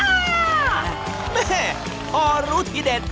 แม่พอรู้ทีเด็ด